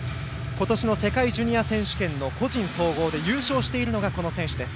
今年の世界ジュニア選手権の個人総合で優勝しているのが、この選手です。